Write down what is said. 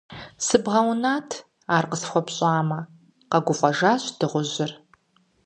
Сыбгъэунат, ар къысхуэпщӀамэ, - къэгуфӀэжащ дыгъужьыр.